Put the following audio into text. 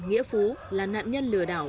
nghĩa phú là nạn nhân lừa đảo